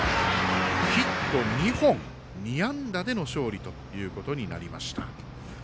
ヒット２本２安打での勝利となりました。